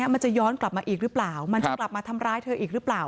มันจะย้อนกลับมาอีกหรือเปล่ามันจะกลับมาทำร้ายเธออีกหรือเปล่า